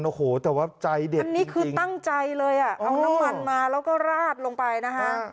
โอ้โหแต่ว่าใจเด็ดอันนี้คือตั้งใจเลยอ่ะเอาน้ำมันมาแล้วก็ราดลงไปนะฮะ